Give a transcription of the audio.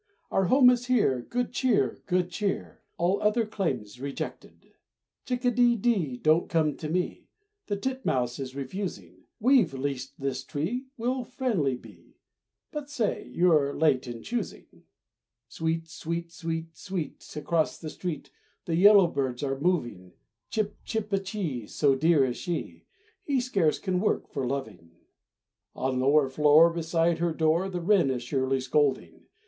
"Our home is here, Good cheer, good cheer, All other claims rejected." "Chick a dee dee, Don't come to me!" The titmouse is refusing, "We've leased this tree, We'll friendly be, But say you're late in choosing." "Sweet, sweet, sweet, sweet," Across the street The yellow birds are moving. "Chip chip a chee; So dear is she!" He scarce can work for loving. On lower floor, Beside her door, The wren is surely scolding.